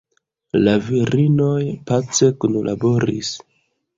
La virinoj pace kunlaboris.